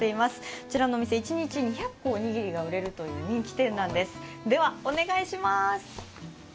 こちらのお店、１日２００個おにぎりが売れるという人気店なんですでは、お願いします。